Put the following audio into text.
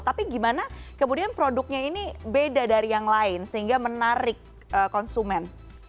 tapi gimana kemudian produknya ini beda dari yang lain sehingga menarik konsumen